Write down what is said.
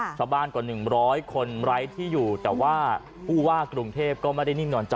ค่ะชาวบ้านกว่าหนึ่งร้อยคนไร้ที่อยู่แต่ว่าผู้ว่ากรุงเทพก็ไม่ได้นิ่งนอนใจ